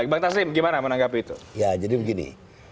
bang taslim gimana menanggapi itu ya jadi begini